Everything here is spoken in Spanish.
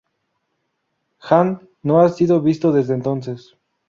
Hand no ha sido visto desde entonces.